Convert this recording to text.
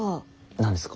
何ですか？